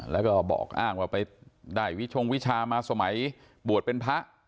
แล้วก็บอกอ้างว่าไปได้วิชงวิชามาสมัยบวชเป็นพระ